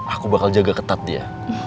aku bakal jaga ketat dia